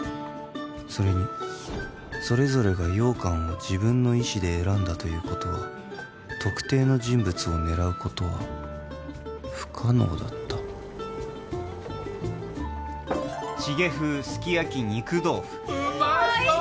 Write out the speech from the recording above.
それにそれぞれが羊羹を自分の意思で選んだということは特定の人物を狙うことは不可能だったチゲ風すき焼き肉豆腐うまそー！